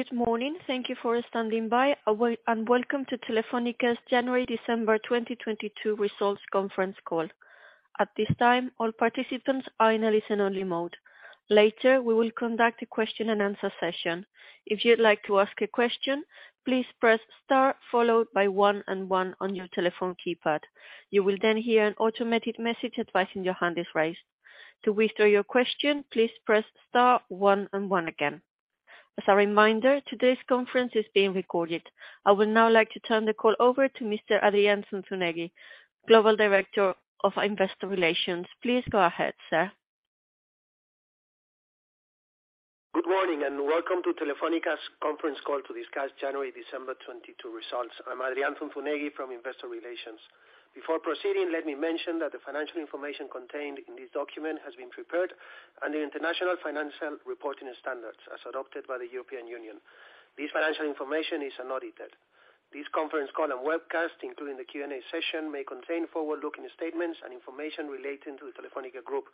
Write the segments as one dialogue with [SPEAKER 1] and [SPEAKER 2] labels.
[SPEAKER 1] Good morning. Thank you for standing by. Welcome to Telefónica's January-December 2022 results conference call. At this time, all participants are in a listen only mode. Later, we will conduct a question and answer session. If you'd like to ask a question, please press star followed by one and one on your telephone keypad. You will then hear an automated message advising your hand is raised. To withdraw your question, please press star one and one again. As a reminder, today's conference is being recorded. I would now like to turn the call over to Mr. Adrián Zunzunegui, Global Director of Investor Relations. Please go ahead, sir.
[SPEAKER 2] Good morning, and welcome to Telefónica's conference call to discuss January-December 2022 results. I'm Adrián Zunzunegui from Investor Relations. Before proceeding, let me mention that the financial information contained in this document has been prepared under International Financial Reporting Standards as adopted by the European Union. This financial information is unaudited. This conference call and webcast, including the Q&A session, may contain forward-looking statements and information relating to the Telefónica Group.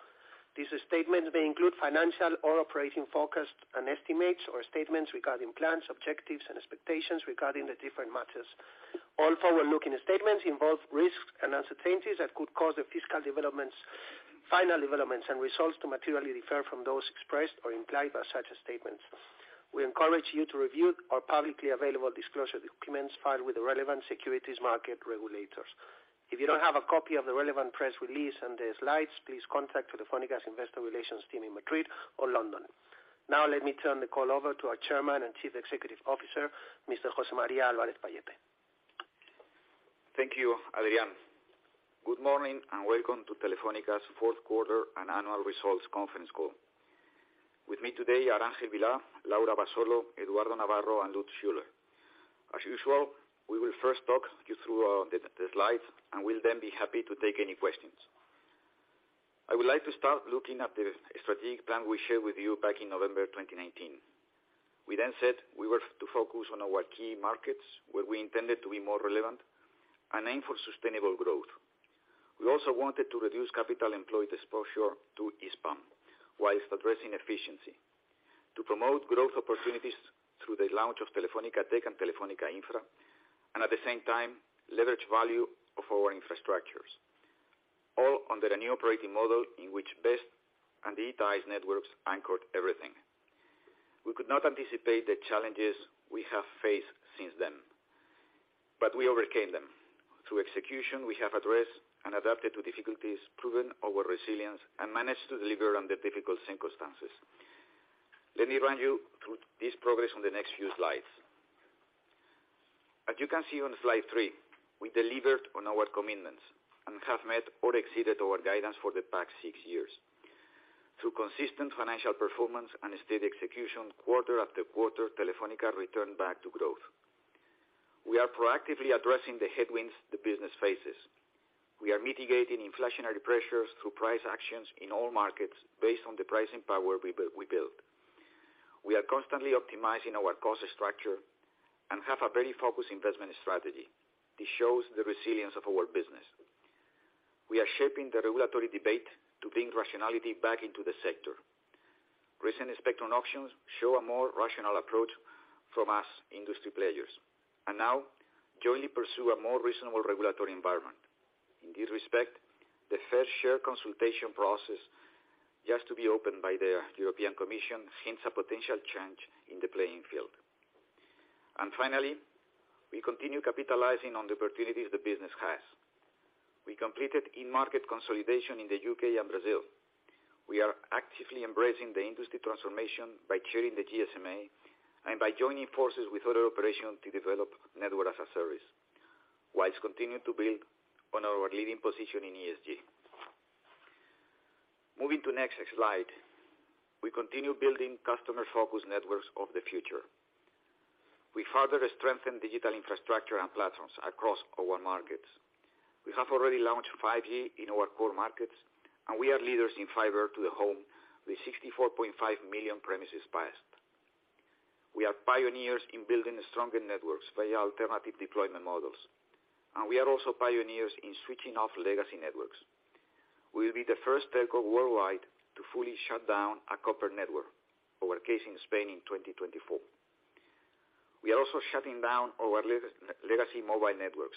[SPEAKER 2] These statements may include financial or operating forecasts and estimates or statements regarding plans, objectives and expectations regarding the different matters. All forward-looking statements involve risks and uncertainties that could cause the fiscal developments, final developments and results to materially differ from those expressed or implied by such statements. We encourage you to review our publicly available disclosure documents filed with the relevant securities market regulators. If you don't have a copy of the relevant press release and the slides, please contact Telefónica's Investor Relations team in Madrid or London. Now let me turn the call over to our Chairman and Chief Executive Officer, Mr. José María Álvarez-Pallete.
[SPEAKER 3] Thank you, Adrián. Good morning, and welcome to Telefónica's fourth quarter and annual results conference call. With me today are Ángel Vilá, Laura Abasolo, Eduardo Navarro and Lutz Schüler. As usual, we will first talk you through the slides. We'll then be happy to take any questions. I would like to start looking at the strategic plan we shared with you back in November 2019. We then said we were to focus on our key markets, where we intended to be more relevant and aim for sustainable growth. We also wanted to reduce capital employed exposure to Hispam whilst addressing efficiency. To promote growth opportunities through the launch of Telefónica Tech and Telefónica Infra, at the same time leverage value of our infrastructures, all under a new operating model in which best and digitized networks anchored everything. We could not anticipate the challenges we have faced since then, but we overcame them. Through execution, we have addressed and adapted to difficulties, proven our resilience and managed to deliver under difficult circumstances. Let me run you through this progress on the next few slides. As you can see on slide three, we delivered on our commitments and have met or exceeded our guidance for the past six years. Through consistent financial performance and steady execution quarter after quarter, Telefónica returned back to growth. We are proactively addressing the headwinds the business faces. We are mitigating inflationary pressures through price actions in all markets based on the pricing power we built. We are constantly optimizing our cost structure and have a very focused investment strategy. This shows the resilience of our business. We are shaping the regulatory debate to bring rationality back into the sector. Recent spectrum auctions show a more rational approach from us industry players. Now jointly pursue a more reasonable regulatory environment. In this respect, the Fair Share consultation process, just to be opened by the European Commission, hints a potential change in the playing field. Finally, we continue capitalizing on the opportunities the business has. We completed in-market consolidation in the UK and Brazil. We are actively embracing the industry transformation by chairing the GSMA and by joining forces with other operations to develop Network as a Service, whilst continuing to build on our leading position in ESG. Moving to next slide. We continue building customer-focused networks of the future. We further strengthen digital infrastructure and platforms across our markets. We have already launched 5G in our core markets, and we are leaders in Fiber to the Home with 64.5 million premises passed. We are pioneers in building stronger networks via alternative deployment models, we are also pioneers in switching off legacy networks. We will be the first telco worldwide to fully shut down a copper network. Our case in Spain in 2024. We are also shutting down our legacy mobile networks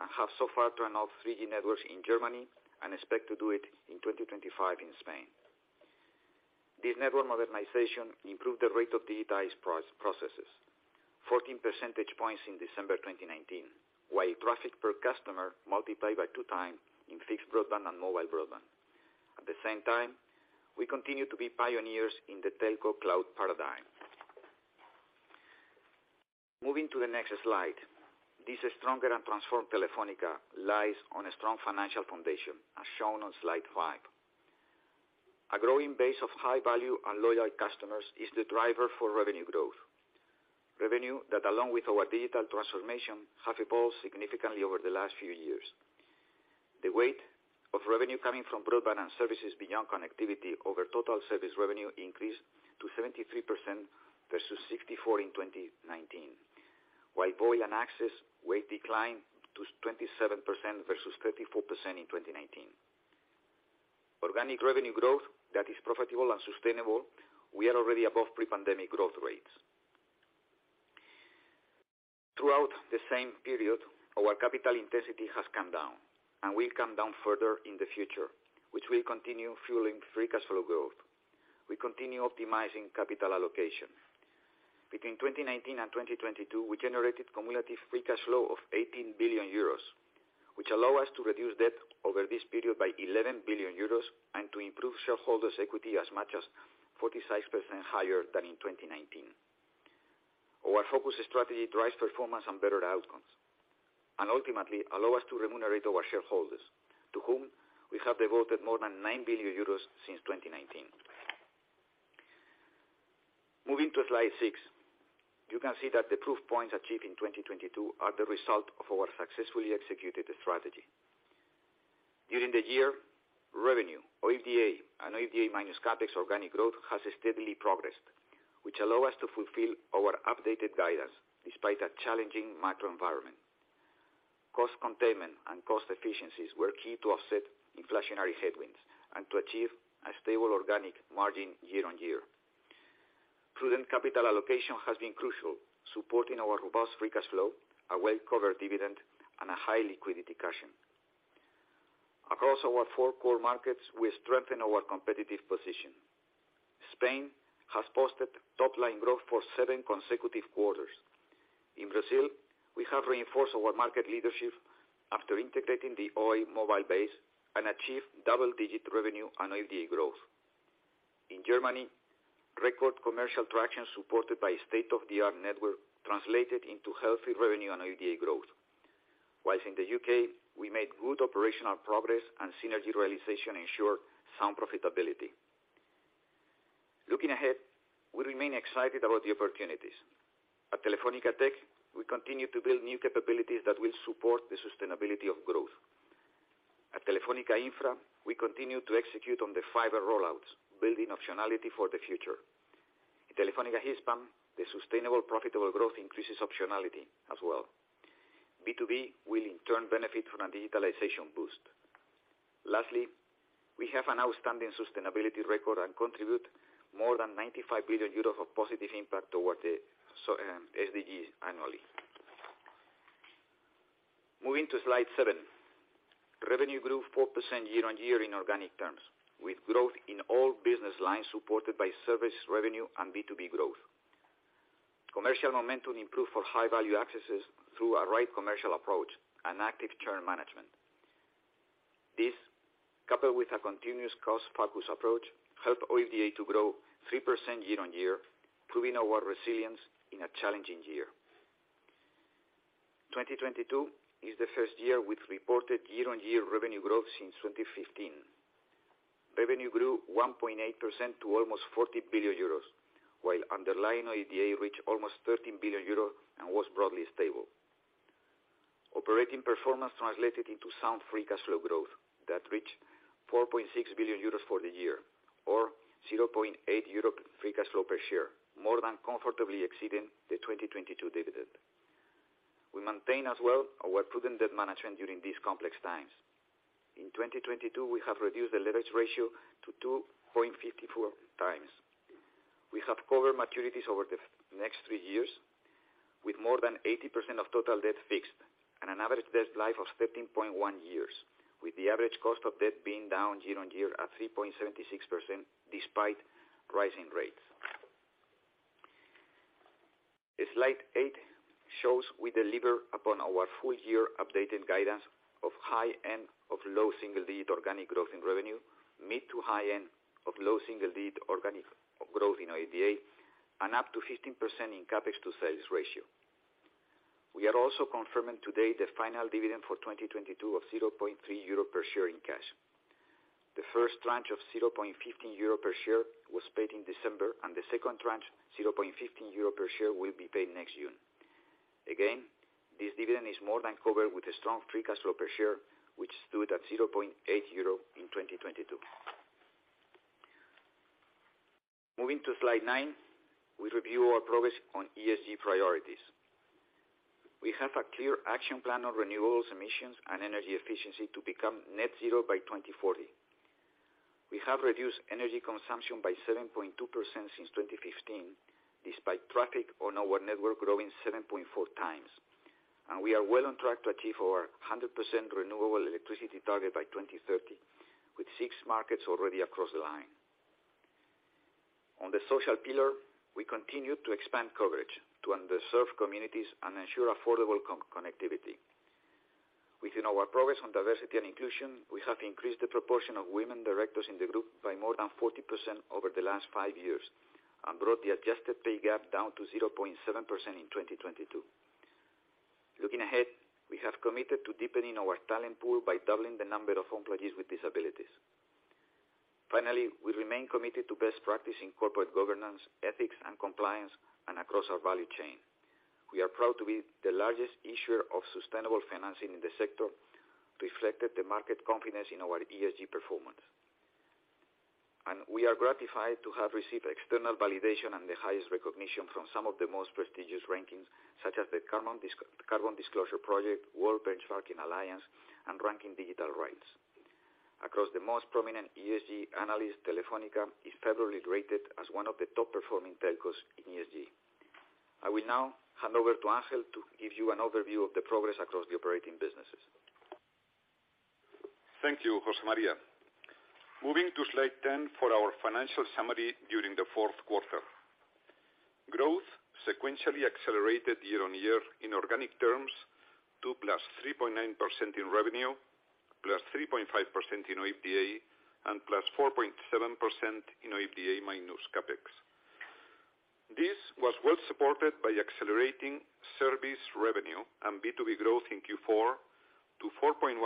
[SPEAKER 3] and have so far turned off 3G networks in Germany and expect to do it in 2025 in Spain. This network modernization improved the rate of digitized processes. 14 percentage points in December 2019, while traffic per customer multiplied by two times in fixed broadband and mobile broadband. At the same time, we continue to be pioneers in the telco cloud paradigm. Moving to the next slide. This stronger and transformed Telefónica lies on a strong financial foundation, as shown on slide five. A growing base of high value and loyal customers is the driver for revenue growth. Revenue that, along with our digital transformation, have evolved significantly over the last few years. The weight of revenue coming from broadband and services beyond connectivity over total service revenue increased to 73% versus 64% in 2019. While voice and access weight declined to 27% versus 34% in 2019. Organic revenue growth that is profitable and sustainable, we are already above pre-pandemic growth rates. Throughout the same period, our capital intensity has come down and will come down further in the future, which will continue fueling free cash flow growth. We continue optimizing capital allocation. Between 2019 and 2022, we generated cumulative free cash flow of 18 billion euros, which allow us to reduce debt over this period by 11 billion euros and to improve shareholders' equity as much as 46% higher than in 2019. Our focus strategy drives performance and better outcomes, and ultimately allow us to remunerate our shareholders, to whom we have devoted more than 9 billion euros since 2019. Moving to slide six, you can see that the proof points achieved in 2022 are the result of our successfully executed strategy. During the year, revenue, OIBDA, and OIBDA minus CapEx organic growth has steadily progressed, which allow us to fulfill our updated guidance despite a challenging macro environment. Cost containment and cost efficiencies were key to offset inflationary headwinds and to achieve a stable organic margin year-on-year. Prudent capital allocation has been crucial, supporting our robust free cash flow, a well-covered dividend, and a high liquidity cushion. Across our four core markets, we strengthen our competitive position. Spain has posted top-line growth for seven consecutive quarters. In Brazil, we have reinforced our market leadership after integrating the Oi mobile base and achieve double-digit revenue and OIBDA growth. In Germany, record commercial traction supported by state-of-the-art network translated into healthy revenue and OIBDA growth. Whilst in the U.K., we made good operational progress and synergy realization ensure sound profitability. Looking ahead, we remain excited about the opportunities. At Telefónica Tech, we continue to build new capabilities that will support the sustainability of growth. At Telefónica Infra, we continue to execute on the fiber roll-outs, building optionality for the future. In Telefónica Hispam, the sustainable profitable growth increases optionality as well. B2B will in turn benefit from a digitalization boost. Lastly, we have an outstanding sustainability record and contribute more than 95 billion euros of positive impact towards the SDGs annually. Moving to slide seven. Revenue grew 4% year-on-year in organic terms, with growth in all business lines supported by service revenue and B2B growth. Commercial momentum improved for high-value accesses through a right commercial approach and active churn management. This, coupled with a continuous cost-focused approach, helped OIBDA to grow 3% year-on-year, proving our resilience in a challenging year. 2022 is the first year with reported year-on-year revenue growth since 2015. Revenue grew 1.8% to almost 40 billion euros, while underlying OIBDA reached almost 13 billion euros and was broadly stable. Operating performance translated into sound free cash flow growth that reached 4.6 billion euros for the year or 0.8 euro free cash flow per share, more than comfortably exceeding the 2022 dividend. We maintain as well our prudent debt management during these complex times. In 2022, we have reduced the leverage ratio to 2.54x. We have covered maturities over the next three years with more than 80% of total debt fixed and an average debt life of 13.1 years, with the average cost of debt being down year-on-year at 3.76% despite rising rates. As slide 8 shows, we deliver upon our full year updated guidance of high end of low single digit organic growth in revenue, mid to high end of low single digit organic growth in OIBDA, and up to 15% in CapEx to sales ratio. We are also confirming today the final dividend for 2022 of 0.3 euro per share in cash. The first tranche of 0.50 euro per share was paid in December. The second tranche, 0.50 euro per share, will be paid next June. Again, this dividend is more than covered with a strong free cash flow per share, which stood at 0.8 euro in 2022. Moving to slide nine, we review our progress on ESG priorities. We have a clear action plan on renewables, emissions, and energy efficiency to become net zero by 2040. We have reduced energy consumption by 7.2% since 2015, despite traffic on our network growing 7.4x. We are well on track to achieve our 100% renewable electricity target by 2030, with six markets already across the line. On the social pillar, we continue to expand coverage to underserved communities and ensure affordable connectivity. Within our progress on diversity and inclusion, we have increased the proportion of women directors in the group by more than 40% over the last five years and brought the adjusted pay gap down to 0.7% in 2022. Looking ahead, we have committed to deepening our talent pool by doubling the number of employees with disabilities. Finally, we remain committed to best practice in corporate governance, ethics, and compliance and across our value chain. We are proud to be the largest issuer of sustainable financing in the sector, reflected the market confidence in our ESG performance. We are gratified to have received external validation and the highest recognition from some of the most prestigious rankings, such as the Carbon Disclosure Project, World Benchmarking Alliance, and Ranking Digital Rights. Across the most prominent ESG analyst, Telefónica is favorably rated as one of the top performing telcos in ESG. I will now hand over to Ángel to give you an overview of the progress across the operating businesses.
[SPEAKER 4] Thank you, José María. Moving to slide 10 for our financial summary during the fourth quarter. Growth sequentially accelerated year-on-year in organic terms to +3.9% in revenue, +3.5% in OIBDA, and +4.7% in OIBDA minus CapEx. This was well supported by accelerating service revenue and B2B growth in Q4 to 4.1%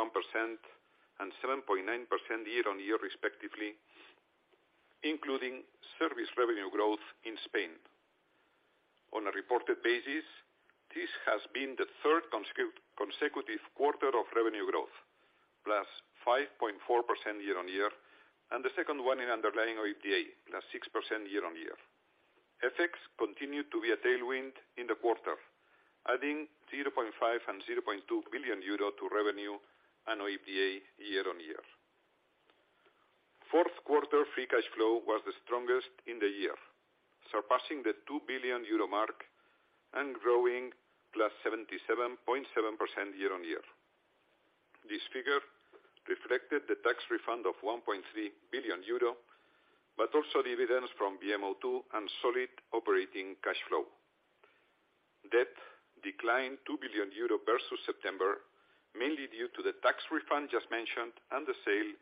[SPEAKER 4] and 7.9% year-on-year respectively, including service revenue growth in Spain. On a reported basis, this has been the third consecutive quarter of revenue growth, +5.4% year-on-year, and the second one in underlying OIBDA, +6% year-on-year. FX continued to be a tailwind in the quarter, adding 0.5 billion and 0.2 billion euro to revenue and OIBDA year-on-year. Fourth quarter free cash flow was the strongest in the year, surpassing the 2 billion euro mark and growing +77.7% year-on-year. This figure reflected the tax refund of 1.3 billion euro, also dividends from VMO2 and solid operating cash flow. Debt declined 2 billion euro versus September, mainly due to the tax refund just mentioned and the sale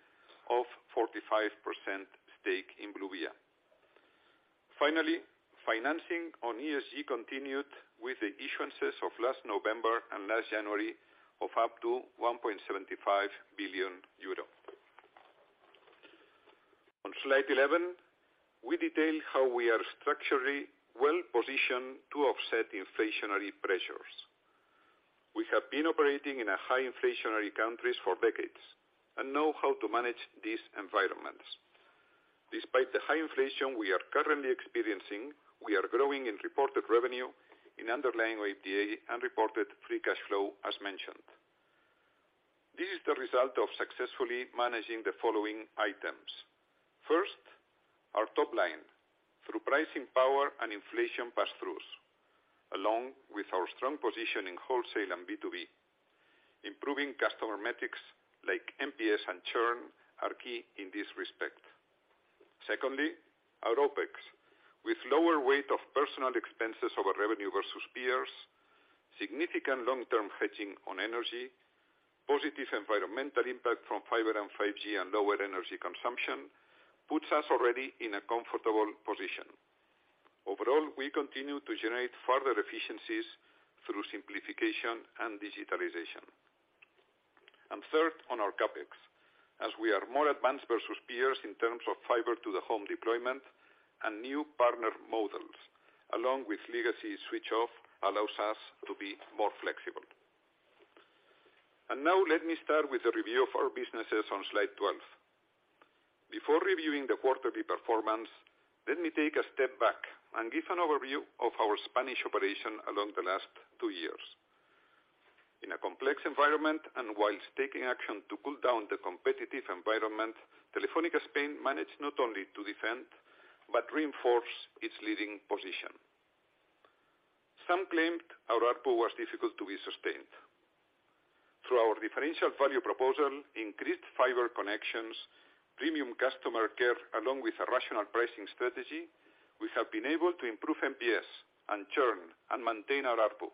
[SPEAKER 4] of 45% stake in Bluevia. Financing on ESG continued with the issuances of last November and last January of up to 1.75 billion euro. On slide 11, we detail how we are structurally well-positioned to offset inflationary pressures. We have been operating in a high inflationary countries for decades and know how to manage these environments. Despite the high inflation we are currently experiencing, we are growing in reported revenue, in underlying OIBDA, and reported free cash flow as mentioned. This is the result of successfully managing the following items. First, our top line through pricing power and inflation pass-throughs, along with our strong position in wholesale and B2B. Improving customer metrics like NPS and churn are key in this respect. Secondly, our OpEx. With lower weight of personal expenses over revenue versus peers, significant long-term hedging on energy, positive environmental impact from fiber and 5G and lower energy consumption, puts us already in a comfortable position. Overall, we continue to generate further efficiencies through simplification and digitalization. Third, on our CapEx, as we are more advanced versus peers in terms of Fiber to the Home deployment and new partner models, along with legacy switch-off, allows us to be more flexible. Now let me start with a review of our businesses on slide twelve. Before reviewing the quarterly performance, let me take a step back and give an overview of our Spanish operation along the last two years. In a complex environment and whilst taking action to cool down the competitive environment, Telefónica España managed not only to defend, but reinforce its leading position. Some claimed our ARPU was difficult to be sustained. Through our differential value proposal, increased fiber connections, premium customer care, along with a rational pricing strategy, we have been able to improve NPS, and churn, and maintain our ARPU,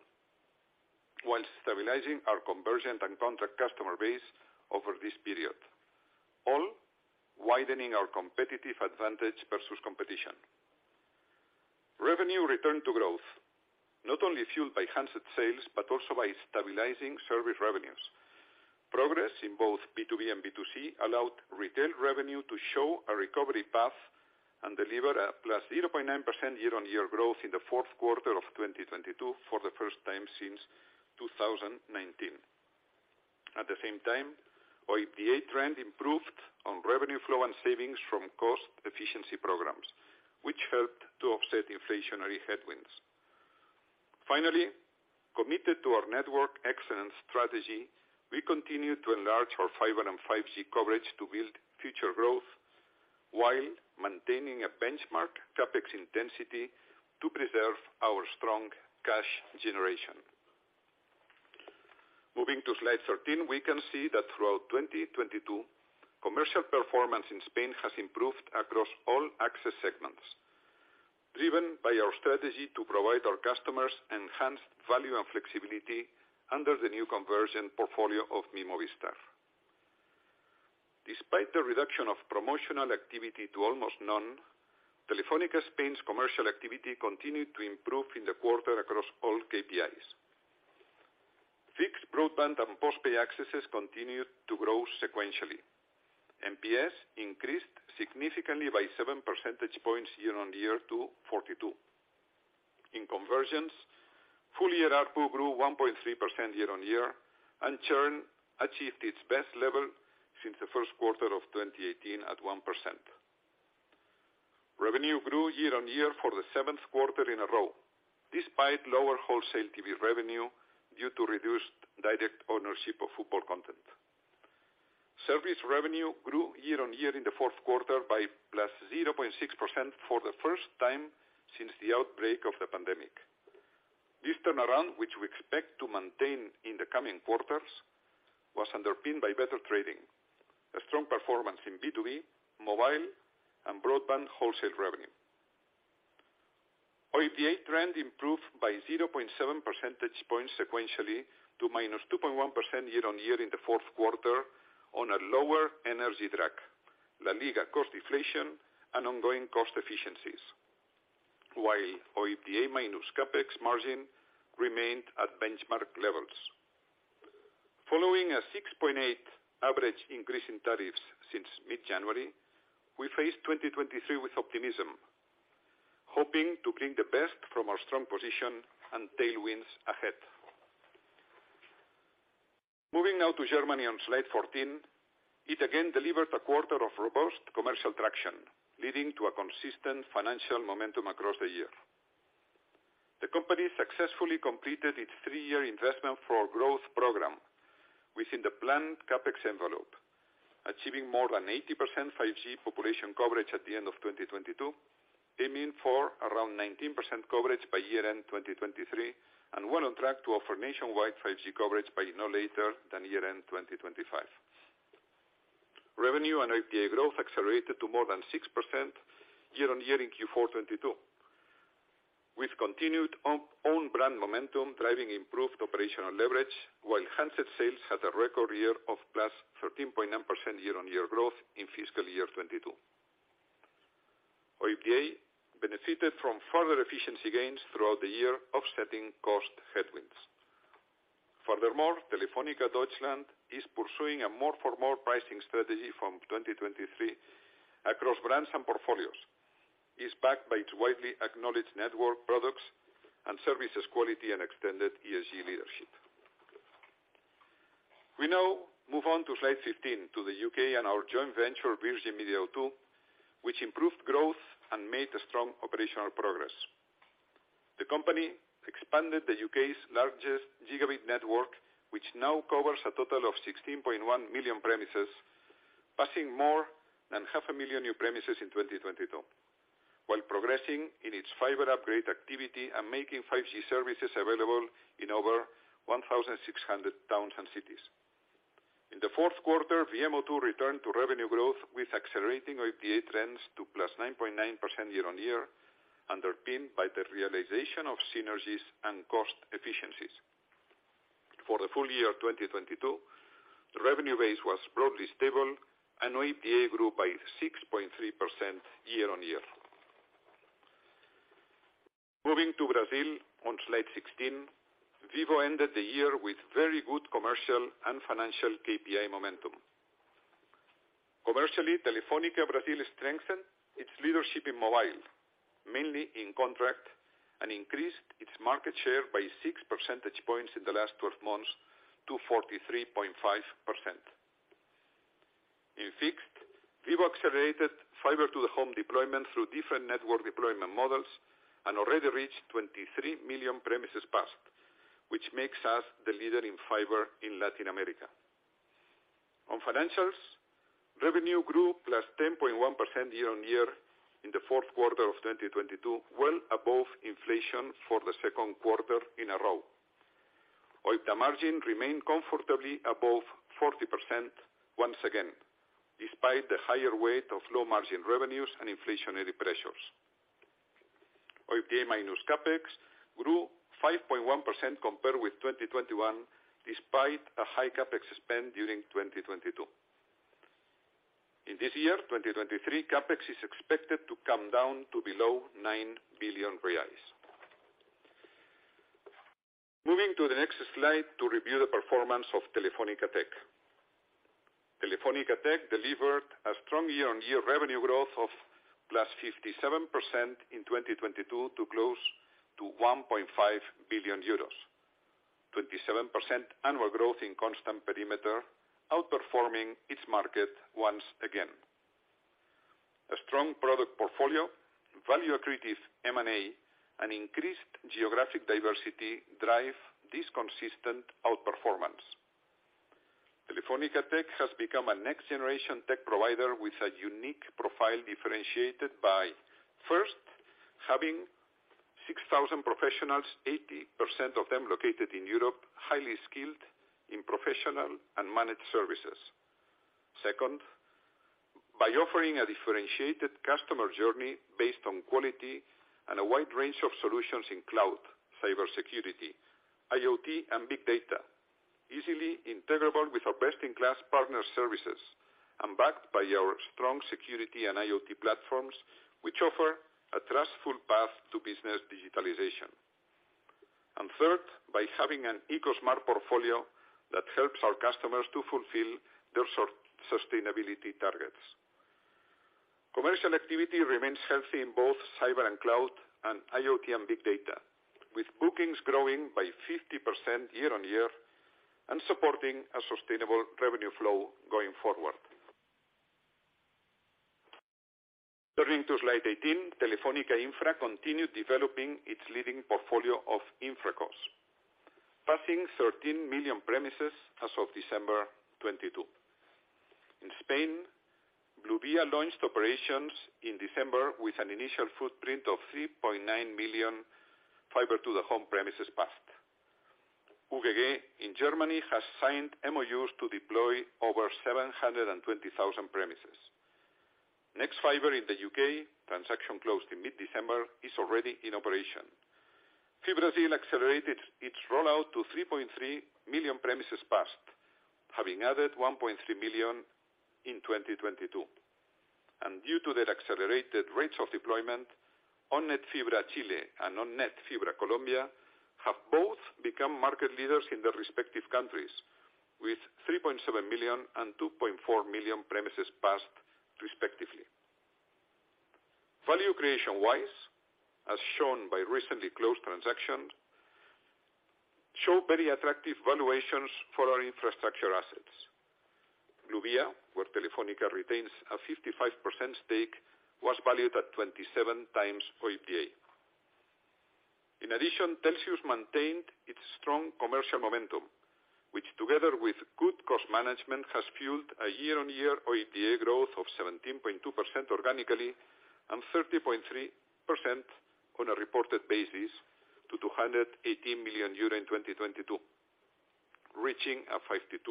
[SPEAKER 4] whilst stabilizing our convergent and contract customer base over this period, all widening our competitive advantage versus competition. Revenue returned to growth, not only fueled by handset sales, but also by stabilizing service revenues. Progress in both B2B and B2C allowed retail revenue to show a recovery path and deliver a +0.9% year-on-year growth in the fourth quarter of 2022 for the first time since 2019. At the same time, OIBDA trend improved on revenue flow and savings from cost efficiency programs, which helped to offset inflationary headwinds. Finally, committed to our network excellence strategy, we continue to enlarge our fiber and 5G coverage to build future growth while maintaining a benchmark CapEx intensity to preserve our strong cash generation. Moving to slide 13, we can see that throughout 2022, commercial performance in Spain has improved across all access segments, driven by our strategy to provide our customers enhanced value and flexibility under the new convergent portfolio of Mi Movistar. Despite the reduction of promotional activity to almost none, Telefónica España's commercial activity continued to improve in the quarter across all KPIs. Fixed broadband and post-pay accesses continued to grow sequentially. NPS increased significantly by 7 percentage points year-on-year to 42. In conversions, full year ARPU grew 1.3% year-on-year, and churn achieved its best level since the first quarter of 2018 at 1%. Revenue grew year-on-year for the seventh quarter in a row, despite lower wholesale TV revenue due to reduced direct ownership of football content. Service revenue grew year-on-year in the fourth quarter by +0.6% for the first time since the outbreak of the pandemic. This turnaround, which we expect to maintain in the coming quarters, was underpinned by better trading. A strong performance in B2B, mobile, and broadband wholesale revenue. OIBDA trend improved by 0.7 percentage points sequentially to -2.1% year-on-year in the fourth quarter on a lower energy drag. LaLiga cost deflation and ongoing cost efficiencies, while OIBDA minus CapEx margin remained at benchmark levels. Following a 6.8 average increase in tariffs since mid-January, we face 2023 with optimism, hoping to bring the best from our strong position and tailwinds ahead. Moving now to Germany on slide 14. It again delivered a quarter of robust commercial traction, leading to a consistent financial momentum across the year. The company successfully completed its three-year investment for growth program within the planned CapEx envelope, achieving more than 80% 5G population coverage at the end of 2022, aiming for around 19% coverage by year-end 2023, and well on track to offer nationwide 5G coverage by no later than year-end 2025. Revenue and OIBDA growth accelerated to more than 6% year-on-year in Q4 2022, with continued own brand momentum driving improved operational leverage, while handset sales had a record year of +13.9% year-on-year growth in fiscal year 2022. OIBDA benefited from further efficiency gains throughout the year, offsetting cost headwinds. Furthermore, Telefónica Deutschland is pursuing a more-for-more pricing strategy from 2023 across brands and portfolios. It's backed by its widely acknowledged network products and services quality and extended ESG leadership. We now move on to slide 15, to the U.K. and our joint venture, Virgin Media O2, which improved growth and made a strong operational progress. The company expanded the U.K.'s largest gigabit network, which now covers a total of 16.1 million premises, passing more than 0.5 million new premises in 2022, while progressing in its fiber upgrade activity and making 5G services available in over 1,600 towns and cities. In the fourth quarter, VMO2 returned to revenue growth, with accelerating OIBDA trends to +9.9% year-over-year, underpinned by the realization of synergies and cost efficiencies. For the full year 2022, the revenue base was broadly stable and OIBDA grew by 6.3% year-over-year. Moving to Brazil on slide 16. Vivo ended the year with very good commercial and financial KPI momentum. Commercially, Telefônica Brasil strengthened its leadership in mobile, mainly in contract, and increased its market share by 6 percentage points in the last 12 months to 43.5%. In fixed, Vivo accelerated Fiber to the Home deployment through different network deployment models and already reached 23 million premises passed, which makes us the leader in fiber in Latin America. On financials, revenue grew +10.1% year-on-year in the fourth quarter of 2022, well above inflation for the second quarter in a row. OIBDA margin remained comfortably above 40% once again, despite the higher weight of low margin revenues and inflationary pressures. OIBDA minus CapEx grew 5.1% compared with 2021, despite a high CapEx spend during 2022. In this year, 2023, CapEx is expected to come down to below 9 billion reais. Moving to the next slide to review the performance of Telefónica Tech. Telefónica Tech delivered a strong year-over-year revenue growth of +57% in 2022 to close to 1.5 billion euros. 27% annual growth in constant perimeter, outperforming its market once again. A strong product portfolio, value accretive M&A, and increased geographic diversity drive this consistent outperformance. Telefónica Tech has become a next-generation tech provider with a unique profile, differentiated by, first, having 6,000 professionals, 80% of them located in Europe, highly skilled in professional and managed services. Second, by offering a differentiated customer journey based on quality and a wide range of solutions in cloud, cybersecurity, IoT, and big data, easily integrable with our best-in-class partner services and backed by our strong security and IoT platforms, which offer a trustful path to business digitalization. Third, by having an eco-smart portfolio that helps our customers to fulfill their sustainability targets. Commercial activity remains healthy in both cyber and cloud and IoT and big data, with bookings growing by 50% year-over-year and supporting a sustainable revenue flow going forward. Turning to slide 18, Telefónica Infra continued developing its leading portfolio of infracos, passing 13 million premises as of December 2022. In Spain, Bluevia launched operations in December with an initial footprint of 3.9 million fiber to the home premises passed. UGG in Germany has signed MOUs to deploy over 720,000 premises. nexfibre in the U.K., transaction closed in mid-December, is already in operation. FiBrasil accelerated its rollout to 3.3 million premises passed, having added 1.3 million in 2022. Due to their accelerated rates of deployment, ON*NET FIBRA Chile and On Net Fibra Colombia have both become market leaders in their respective countries, with 3.7 million and 2.4 million premises passed, respectively. Value creation-wise, as shown by recently closed transaction, show very attractive valuations for our infrastructure assets. Bluevia, where Telefónica retains a 55% stake, was valued at 27 times OIBDA. In addition, Telxius maintained its strong commercial momentum, which together with good cost management, has fueled a year-on-year OIBDA growth of 17.2% organically and 30.3% on a reported basis to 218 million euro in 2022, reaching a 52%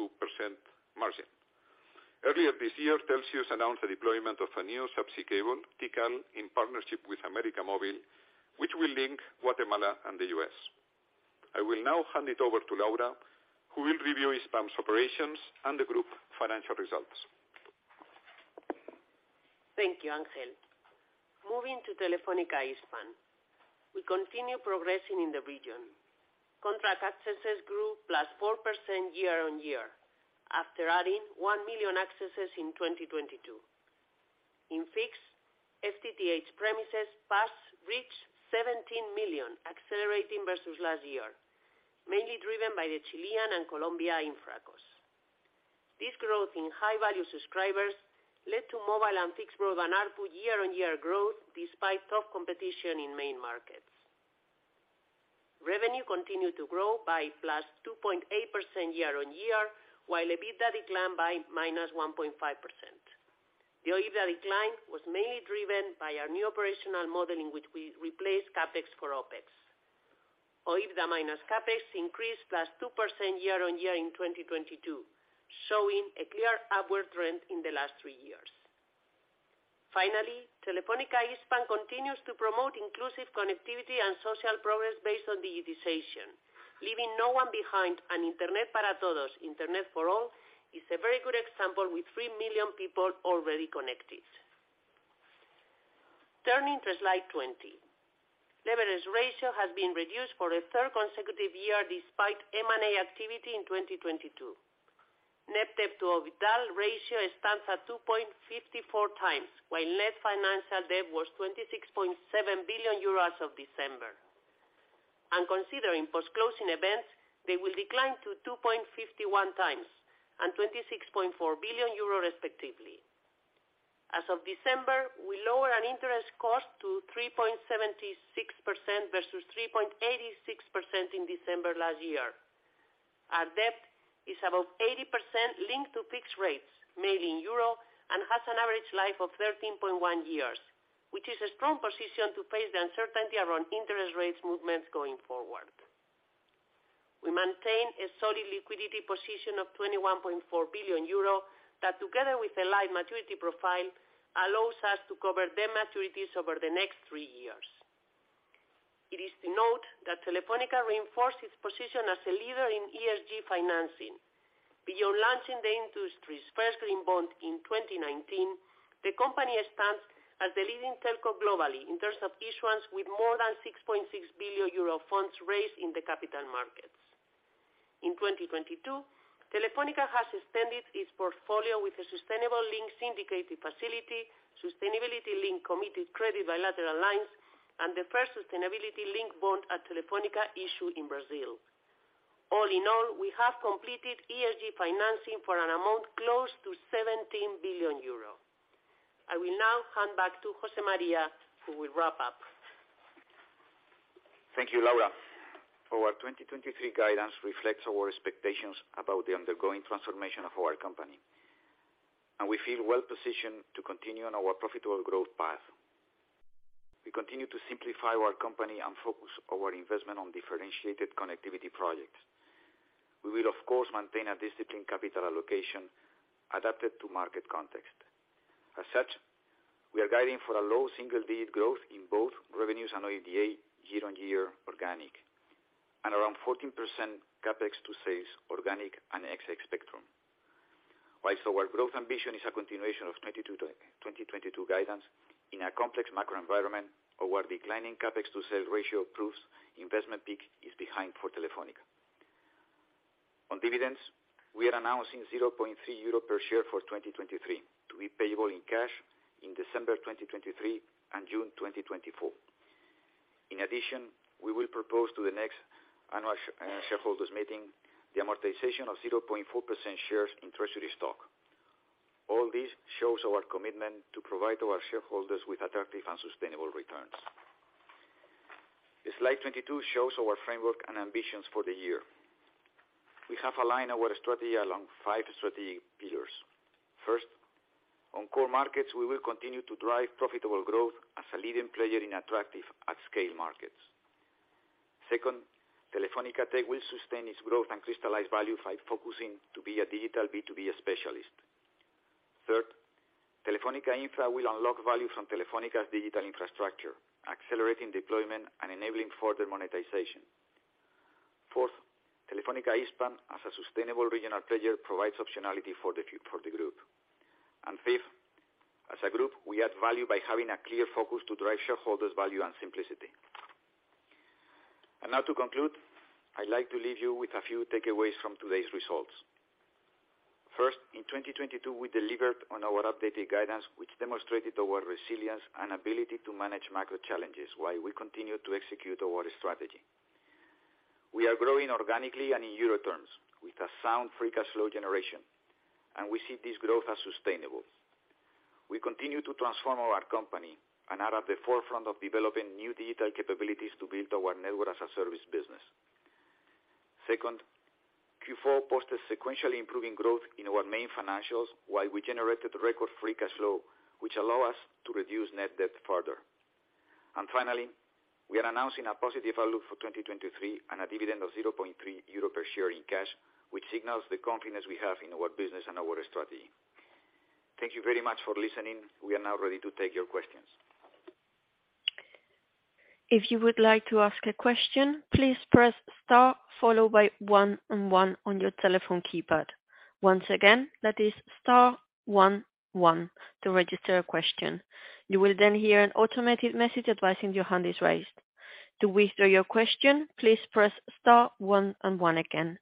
[SPEAKER 4] margin. Earlier this year, Telxius announced the deployment of a new subsea cable, Tikal, in partnership with América Móvil, which will link Guatemala and the US. I will now hand it over to Laura, who will review Hispam's operations and the group financial results.
[SPEAKER 5] Thank you, Ángel. Moving to Telefónica Hispam, we continue progressing in the region. Contract accesses grew +4% year-on-year, after adding one million accesses in 2022. In fixed, FTTH premises passed reached 17 million accelerating versus last year, mainly driven by the Chilean and Colombia Infracos. This growth in high value subscribers led to mobile and fixed rural and ARPU year-on-year growth despite tough competition in main markets. Revenue continued to grow by +2.8% year-on-year, while OIBDA declined by -1.5%. The OIBDA decline was mainly driven by our new operational model in which we replaced CapEx for OpEx. OIBDA minus CapEx increased +2% year-on-year in 2022, showing a clear upward trend in the last three years. Finally, Telefónica Hispam continues to promote inclusive connectivity and social progress based on digitization, leaving no one behind. Internet para Todos, Internet For All, is a very good example with 3 million people already connected. Turning to slide 20. Leverage ratio has been reduced for a third consecutive year, despite M&A activity in 2022. Net debt to OIBDA ratio stands at 2.54 times, while net financial debt was 26.7 billion euros as of December. Considering post-closing events, they will decline to 2.51 times and 26.4 billion euros respectively. As of December, we lowered our interest cost to 3.76% versus 3.86% in December last year. Our debt is about 80% linked to fixed rates, mainly in EUR, and has an average life of 13.1 years, which is a strong position to face the uncertainty around interest rates movements going forward. We maintain a solid liquidity position of 21.4 billion euro that together with the live maturity profile, allows us to cover the maturities over the next three years. It is to note that Telefónica reinforced its position as a leader in ESG financing. Beyond launching the industry's first green bond in 2019, the company stands as the leading telco globally in terms of issuance, with more than 6.6 billion euro funds raised in the capital markets. In 2022, Telefónica has extended its portfolio with a sustainable link syndicated facility, sustainability link committed credit bilateral lines, and the first sustainability link bond at Telefónica issued in Brazil. All in all, we have completed ESG financing for an amount close to 17 billion euros. I will now hand back to José María, who will wrap up.
[SPEAKER 3] Thank you, Laura. Our 2023 guidance reflects our expectations about the undergoing transformation of our company, and we feel well positioned to continue on our profitable growth path. We continue to simplify our company and focus our investment on differentiated connectivity projects. We will, of course, maintain a disciplined capital allocation adapted to market context. As such, we are guiding for a low single-digit growth in both revenues and OIBDA year-on-year organic and around 14% CapEx to sales organic and ex-spectrum. Our growth ambition is a continuation of 2022 to 2023 guidance in a complex macro environment or where declining CapEx to sales ratio proves investment peak is behind for Telefónica. On dividends, we are announcing 0.3 euro per share for 2023 to be payable in cash in December 2023 and June 2024. In addition, we will propose to the next annual shareholders meeting the amortization of 0.4% shares in treasury stock. All this shows our commitment to provide our shareholders with attractive and sustainable returns. The slide 22 shows our framework and ambitions for the year. We have aligned our strategy along five strategic pillars. First, on core markets, we will continue to drive profitable growth as a leading player in attractive at scale markets. Second, Telefónica Tech will sustain its growth and crystallize value by focusing to be a digital B2B specialist. Third, Telefónica Infra will unlock value from Telefónica's digital infrastructure, accelerating deployment and enabling further monetization. Fourth, Telefónica Hispam, as a sustainable regional trader, provides optionality for the group. Fifth, as a group, we add value by having a clear focus to drive shareholders value and simplicity. Now to conclude, I'd like to leave you with a few takeaways from today's results. First, in 2022, we delivered on our updated guidance, which demonstrated our resilience and ability to manage macro challenges while we continue to execute our strategy. We are growing organically and in EUR terms with a sound free cash flow generation. We see this growth as sustainable. We continue to transform our company and are at the forefront of developing new digital capabilities to build our Network as a Service business. Second, Q4 posted sequentially improving growth in our main financials while we generated record free cash flow, which allow us to reduce net debt further. Finally, we are announcing a positive outlook for 2023 and a dividend of 0.3 euro per share in cash, which signals the confidence we have in our business and our strategy. Thank you very much for listening. We are now ready to take your questions.
[SPEAKER 1] If you would like to ask a question, please press star followed by one and one on your telephone keypad. Once again, that is star one one to register a question. You will then hear an automated message advising your hand is raised. To withdraw your question, please press star one and one again.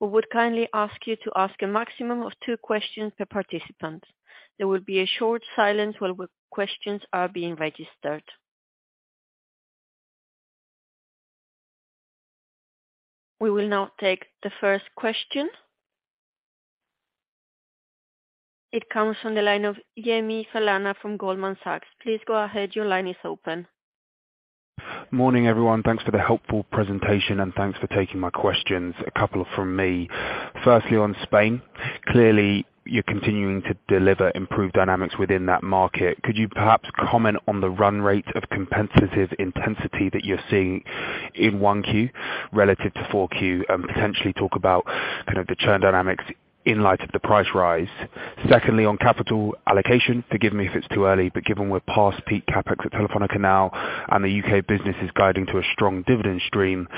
[SPEAKER 1] We would kindly ask you to ask a maximum of 2 questions per participant. There will be a short silence while questions are being registered. We will now take the first question. It comes from the line of Yemi Falana from Goldman Sachs. Please go ahead. Your line is open.
[SPEAKER 6] Morning, everyone. Thanks for the helpful presentation, and thanks for taking my questions, a couple from me. Firstly, on Spain, clearly you're continuing to deliver improved dynamics within that market. Could you perhaps comment on the run rate of competitive intensity that you're seeing in 1Q relative to 4Q, potentially talk about kind of the churn dynamics in light of the price rise? Secondly, on capital allocation, forgive me if it's too early, but given we're past peak CapEx at Telefónica now and the U.K. business is guiding to a strong dividend stream,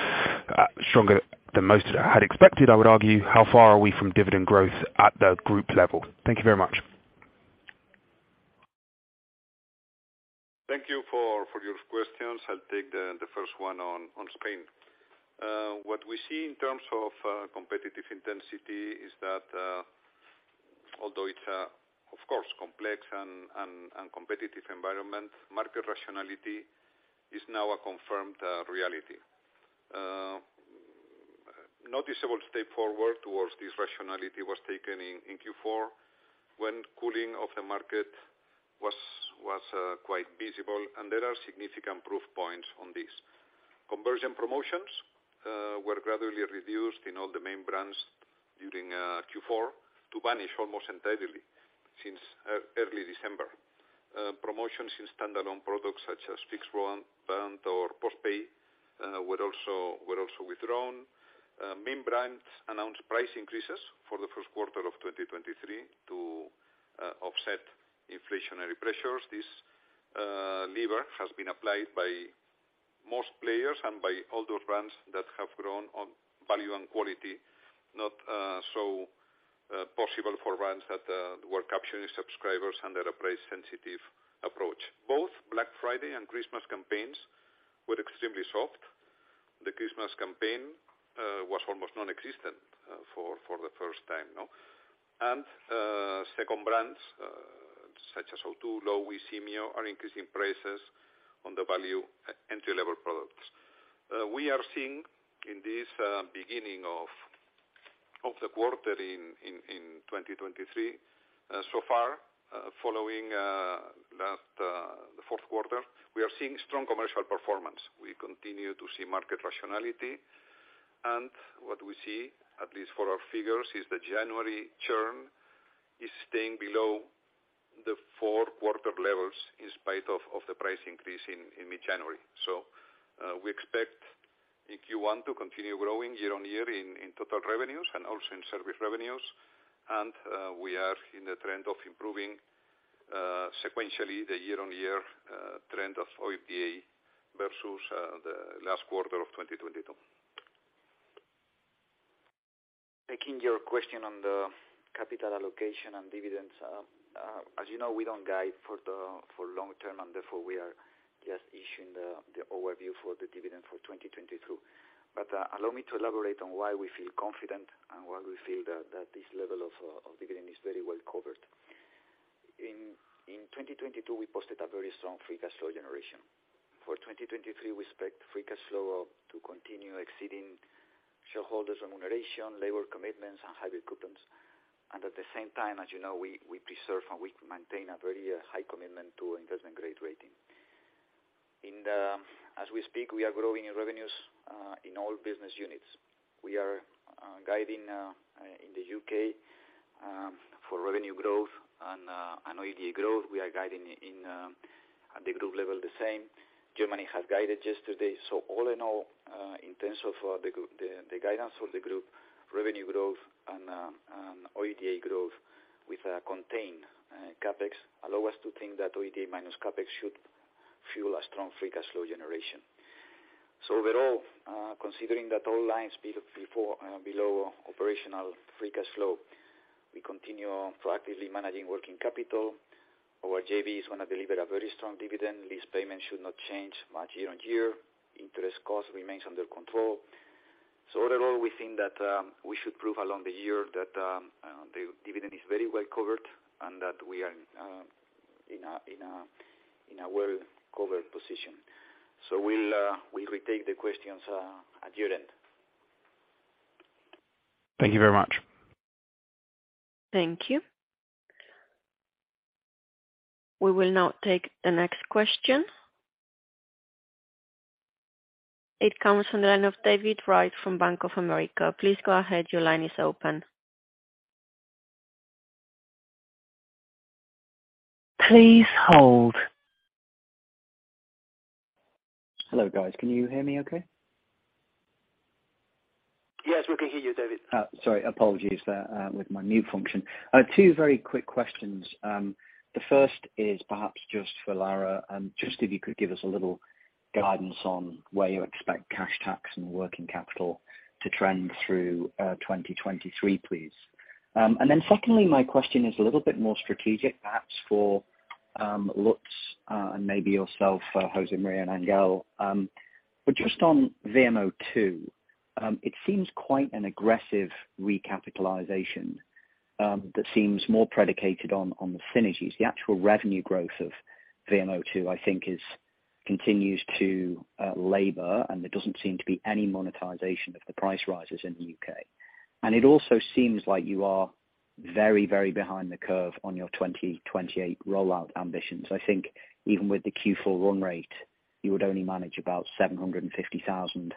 [SPEAKER 6] stronger than most had expected, I would argue, how far are we from dividend growth at the group level? Thank you very much.
[SPEAKER 3] Thank you for your questions. I'll take the first one on Spain. What we see in terms of competitive intensity is that although it's of course, complex and competitive environment, market rationality is now a confirmed reality. Noticeable step forward towards this rationality was taken in Q4 when cooling of the market was quite visible, and there are significant proof points on this. Conversion promotions were gradually reduced in all the main brands during Q4 to vanish almost entirely since early December. Promotions in standalone products such as fixed broadband or postpay were also withdrawn. Main brands announced price increases for the first quarter of 2023 to offset inflationary pressures. This lever has been applied by most players and by all those brands that have grown on value and quality, not so possible for brands that were capturing subscribers under a price sensitive approach. Both Black Friday and Christmas campaigns were extremely soft. The Christmas campaign was almost non-existent for the first time, no? Second brands such as O2, Lowi, Simyo are increasing prices on the value e-entry level products. We are seeing in this beginning of the quarter in 2023, so far, following last the fourth quarter, we are seeing strong commercial performance. We continue to see market rationality, and what we see, at least for our figures, is the January churn is staying below the fourth quarter levels in spite of the price increase in mid-January. We expect in Q1 to continue growing year-on-year in total revenues and also in service revenues. We are in the trend of improving sequentially the year-on-year trend of OIBDA versus the last quarter of 2022. Taking your question on the capital allocation and dividends, as you know, we don't guide for the long term, and therefore we are just issuing the overview for the dividend for 2022. Allow me to elaborate on why we feel confident and why we feel that this level of dividend is very well covered. In 2022, we posted a very strong free cash flow generation. For 2023, we expect free cash flow to continue exceeding shareholders' remuneration, labor commitments and high recruitments. At the same time, as you know, we preserve and we maintain a very high commitment to investment-grade rating. In as we speak, we are growing in revenues in all business units. We are guiding in the UK for revenue growth and OIBDA growth. We are guiding at the group level the same. Germany has guided yesterday. All in all, in terms of the guidance of the group revenue growth and OIBDA growth with a contained CapEx allow us to think that OIBDA minus CapEx should fuel a strong free cash flow generation. Overall, considering that all lines below operational free cash flow, we continue proactively managing working capital. Our JVs wanna deliver a very strong dividend. Lease payment should not change much year-over-year. Interest cost remains under control. Overall, we think that we should prove along the year that the dividend is very well covered and that we are in a well covered position. We'll retake the questions at your end.
[SPEAKER 6] Thank you very much.
[SPEAKER 1] Thank you. We will now take the next question. It comes from the line of David Wright from Bank of America. Please go ahead. Your line is open. Please hold.
[SPEAKER 7] Hello, guys. Can you hear me okay?
[SPEAKER 3] Yes, we can hear you, David.
[SPEAKER 7] Sorry, apologies there, with my mute function. I have two very quick questions. The first is perhaps just for Laura, and just if you could give us a little guidance on where you expect cash tax and working capital to trend through 2023, please. Secondly, my question is a little bit more strategic, perhaps for Lutz, and maybe yourself, José María and Ángel. Just on VMO2, it seems quite an aggressive recapitalization, that seems more predicated on the synergies. The actual revenue growth of VMO2, I think is, continues to labor, and there doesn't seem to be any monetization of the price rises in the U.K. It also seems like you are very, very behind the curve on your 2028 rollout ambitions. I think even with the Q4 run rate, you would only manage about 750,000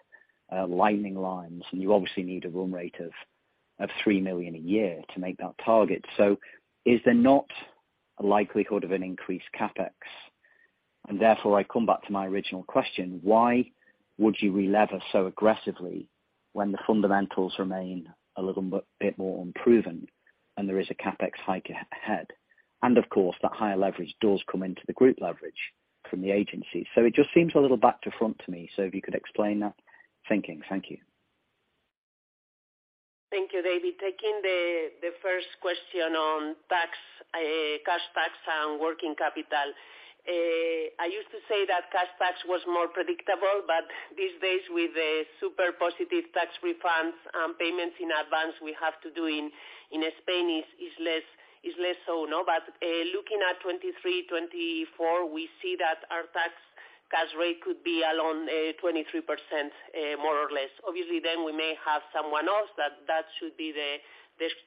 [SPEAKER 7] lightning lines, and you obviously need a run rate of three million a year to make that target. Is there not a likelihood of an increased CapEx? Therefore, I come back to my original question, why would you relever so aggressively when the fundamentals remain a little bit more unproven and there is a CapEx hike ahead? Of course, that higher leverage does come into the group leverage from the agency. It just seems a little back to front to me. If you could explain that thinking. Thank you.
[SPEAKER 5] Thank you, David. Taking the first question on tax, cash tax and working capital. I used to say that cash tax was more predictable, but these days with a super positive tax refunds and payments in advance, we have to do in Spain is less so, no. Looking at 2023, 2024, we see that our tax cash rate could be around 23% more or less. We may have someone else that should be the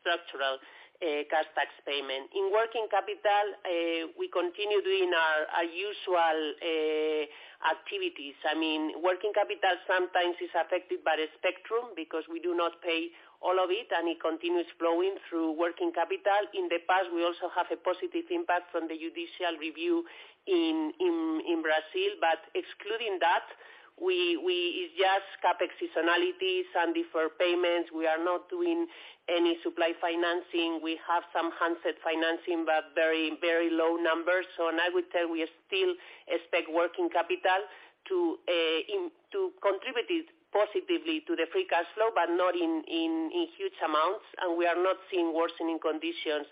[SPEAKER 5] structural cash tax payment. In working capital, we continue doing our usual activities. I mean, working capital sometimes is affected by the spectrum because we do not pay all of it and it continues flowing through working capital. In the past, we also have a positive impact from the judicial review in Brazil. Excluding that, we it's just CapEx seasonality, some deferred payments. We are not doing any supply financing. We have some handset financing, but very, very low numbers. I would say we still expect working capital to contribute positively to the free cash flow, but not in huge amounts. We are not seeing worsening conditions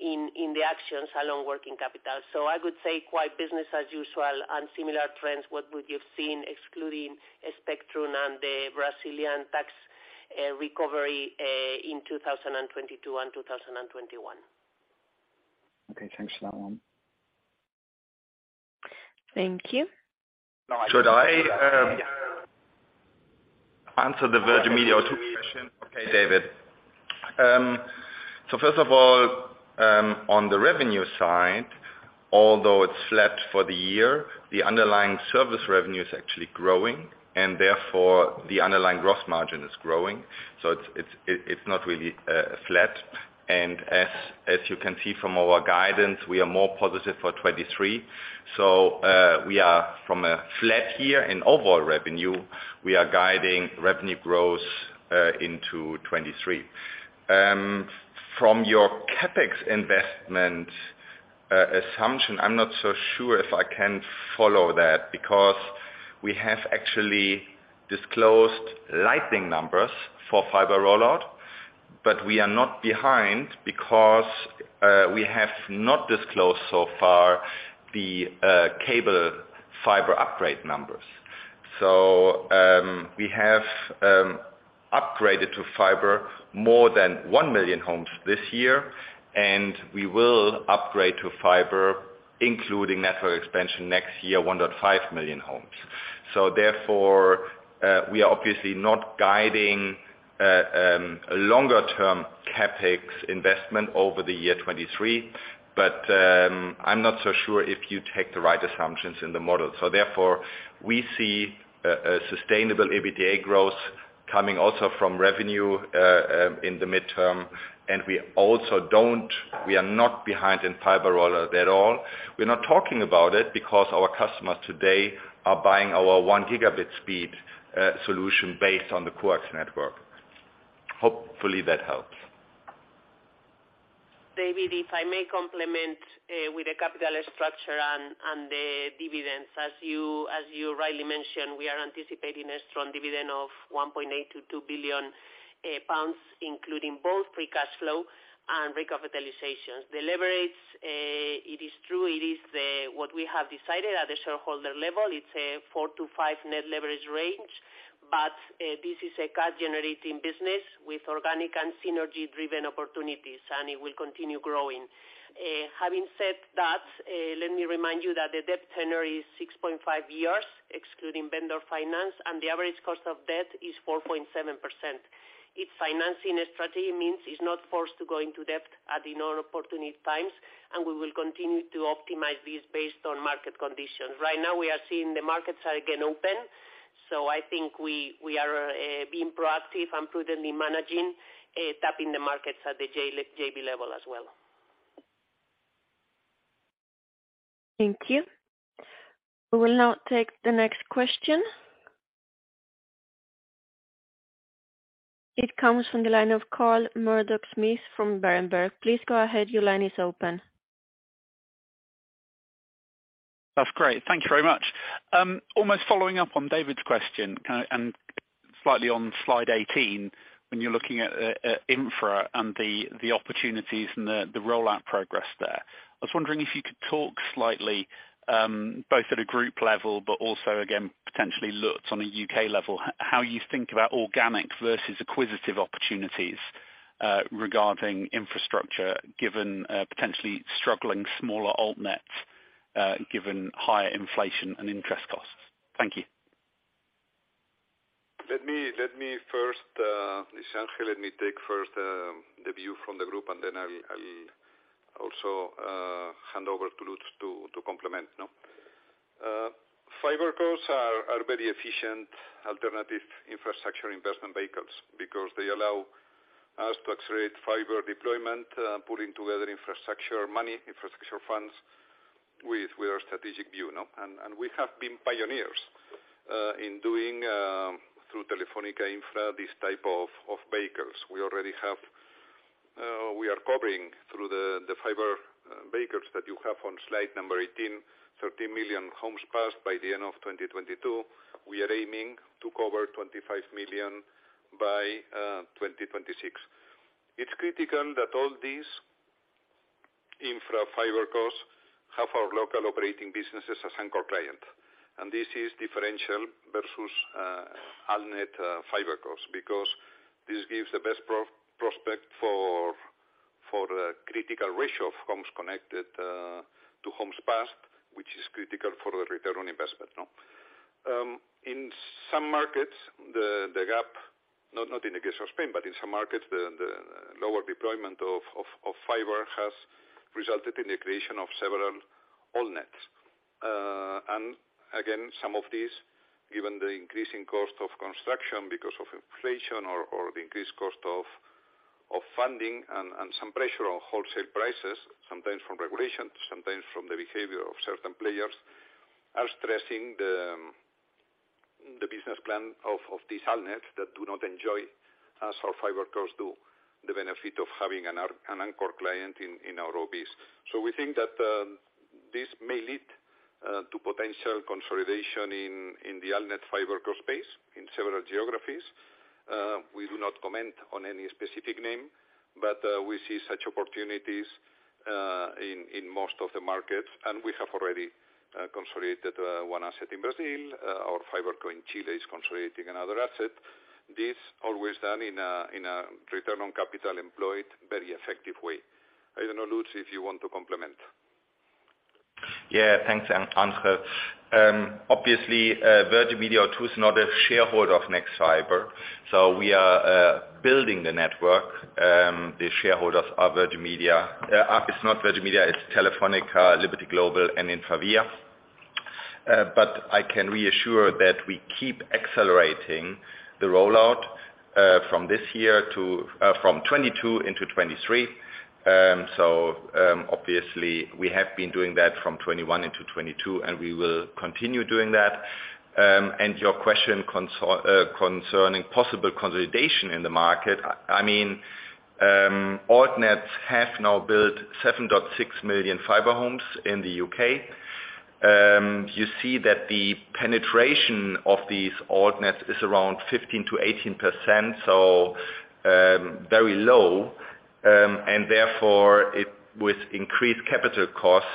[SPEAKER 5] in the actions along working capital. I would say quite business as usual and similar trends, what would you've seen excluding a spectrum and the Brazilian tax recovery in 2022 and 2021.
[SPEAKER 7] Okay. Thanks for that one.
[SPEAKER 1] Thank you.
[SPEAKER 3] Should I answer the Virgin Media question? Okay, David. First of all, on the revenue side, although it's flat for the year, the underlying service revenue is actually growing, and therefore the underlying gross margin is growing. It's not really flat. As you can see from our guidance, we are more positive for 2023. We are from a flat year in overall revenue, we are guiding revenue growth into 2023. From your CapEx investment Assumption. I'm not so sure if I can follow that because we have actually disclosed lightning numbers for fiber rollout, but we are not behind because we have not disclosed so far the cable fiber upgrade numbers. We have upgraded to fiber more than one million homes this year, and we will upgrade to fiber, including network expansion next year, 1.5 million homes. Therefore, we are obviously not guiding a longer term CapEx investment over the year 2023. I'm not so sure if you take the right assumptions in the model. Therefore, we see a sustainable OIBDA growth coming also from revenue in the mid-term. We are not behind in fiber rollout at all. We're not talking about it because our customers today are buying our 1 Gb speed solution based on the coax network. Hopefully, that helps.
[SPEAKER 5] David, if I may complement, with the capital structure and the dividends. As you rightly mentioned, we are anticipating a strong dividend of 1.8 billion-2 billion pounds, including both free cash flow and recapitalizations. The leverage, it is true, it is what we have decided at the shareholder level. It's a four-five net leverage range, but this is a cash-generating business with organic and synergy-driven opportunities, and it will continue growing. Having said that, let me remind you that the debt tenor is 6.5 years, excluding vendor finance, and the average cost of debt is 4.7%. Its financing strategy means it's not forced to go into debt at inopportune times, and we will continue to optimize this based on market conditions. Right now, we are seeing the markets are again open. I think we are being proactive and prudently managing tapping the markets at the JV level as well.
[SPEAKER 1] Thank you. We will now take the next question. It comes from the line of Carl Murdock-Smith from Berenberg. Please go ahead. Your line is open.
[SPEAKER 8] LThat's great. Thank you very much. almost following up on David's question, and slightly on slide 18, when you're looking at infra and the opportunities and the rollout progress there. I was wondering if you could talk slightly, both at a group level, but also again, potentially Lutz, on a U.K. level, how you think about organic versus acquisitive opportunities, regarding infrastructure, given, potentially struggling smaller Altnets, given higher inflation and interest costs. Thank you.
[SPEAKER 4] Let me, let me first, [just actually], let me take first the view from the group, then I'll also hand over to Lutz to complement, no? fibercos are very efficient alternative infrastructure investment vehicles because they allow us to accelerate fiber deployment, pulling together infrastructure money, infrastructure funds with our strategic view, no? We have been pioneers in doing through Telefónica Infra, these type of vehicles. We already have. We are covering through the fiber vehicles that you have on slide number 18, 13 million homes passed by the end of 2022. We are aiming to cover 25 million by 2026. It's critical that all these infra fibercos have our local operating businesses as anchor client. This is differential versus Altnet fibercos because this gives the best prospect for a critical ratio of homes connected to homes passed, which is critical for the return on investment, no? In some markets, the gap, not in the case of Spain, but in some markets, the lower deployment of fiber has resulted in the creation of several Altnets. Again, some of these, given the increasing cost of construction because of inflation or the increased cost of funding and some pressure on wholesale prices, sometimes from regulation, sometimes from the behavior of certain players, are stressing the business plan of these Altnets that do not enjoy as our fibercos do, the benefit of having an anchor client in our OBs. We think that this may lead to potential consolidation in the Altnet fiberco space in several geographies. We do not comment on any specific name, but we see such opportunities in most of the markets, and we have already consolidated one asset in Brazil. Our fiberco in Chile is consolidating another asset. This always done in a return on capital employed, very effective way. I don't know, Lutz, if you want to complement.
[SPEAKER 9] Yeah. Thanks, Ángel. Obviously, Virgin Media O2 is not a shareholder of nexfibre, we are building the network. The shareholders are Virgin Media. It's not Virgin Media, it's Telefónica, Liberty Global and InfraVia. I can reassure that we keep accelerating the rollout from this year to from 2022 into 2023. Obviously we have been doing that from 2021 into 2022, we will continue doing that. Your question concerning possible consolidation in the market. I mean, Altnets have now built 7.6 million fiber homes in the U.K. You see that the penetration of these Altnets is around 15%-18%, so very low. Therefore, with increased capital costs,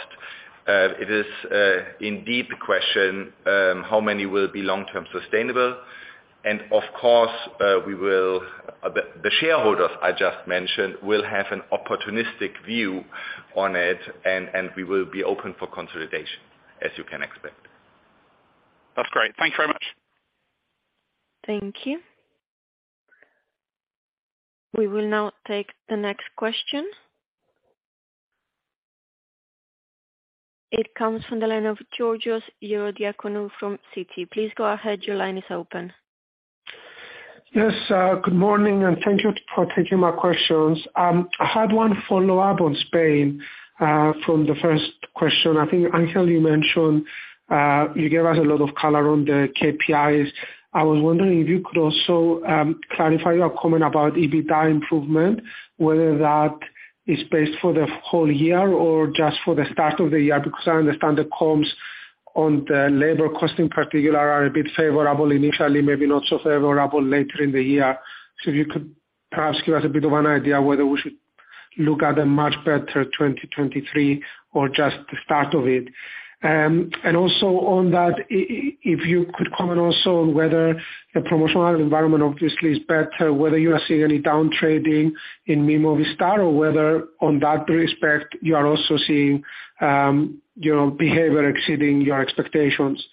[SPEAKER 9] it is in deep question how many will be long-term sustainable. Of course, the shareholders I just mentioned will have an opportunistic view on it, and we will be open for consolidation, as you can expect.
[SPEAKER 8] That's great. Thank you very much.
[SPEAKER 1] Thank you. We will now take the next question. It comes from the line of Georgios Ierodiaconou from Citi. Please go ahead. Your line is open.
[SPEAKER 10] Good morning, and thank you for taking my questions. I had one follow-up on Spain from the first question. I think, Ángel, you mentioned, you gave us a lot of color on the KPIs. I was wondering if you could also clarify your comment about OIBDA improvement, whether that is based for the whole year or just for the start of the year, because I understand the comms on the labor cost in particular are a bit favorable initially, maybe not so favorable later in the year. If you could perhaps give us a bit of an idea whether we should look at a much better 2023 or just the start of it. Also on that if you could comment also on whether the promotional environment obviously is better, whether you are seeing any down trading in Mi Movistar or whether on that respect you are also seeing your behavior exceeding your expectations.